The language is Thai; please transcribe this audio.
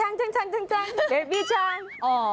น่ารักมาก